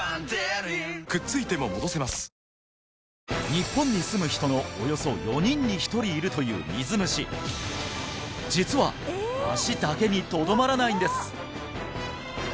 日本に住む人のおよそ４人に１人いるという水虫実は足だけにとどまらないんです